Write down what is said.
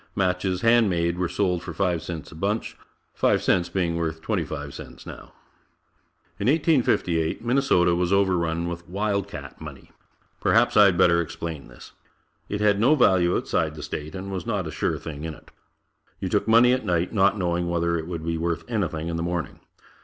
Matches, hand made, were sold for five cents a bunch five cents being worth twenty five cents now. In 1858 Minnesota was overrun with "Wild Cat" money. Perhaps I had better explain this. It had no value outside the state and was not a sure thing in it. You took money at night, not knowing whether it would be worth anything in the morning.